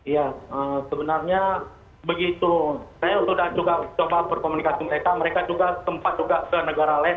ya sebenarnya begitu saya sudah juga coba berkomunikasi mereka mereka juga sempat juga ke negara lain